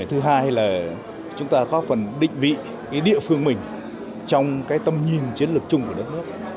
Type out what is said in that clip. thứ hai là chúng ta góp phần định vị cái địa phương mình trong cái tầm nhìn chiến lược chung của nước nước